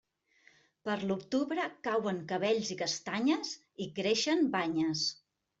Per l'octubre, cauen cabells i castanyes, i creixen banyes.